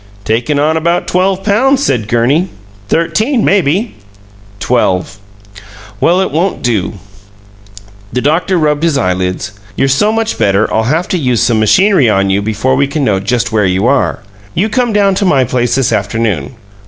"Taken on about twelve pounds," said Gurney. "Thirteen, maybe." "Twelve." "Well, it won't do." The doctor rubbed his eyelids. "You're so much better I'll have to use some machinery on you before we can know just where you are. You come down to my place this afternoon.